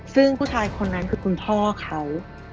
ซึ่งผู้ชายคนนั้นคือคุณพ่อเขา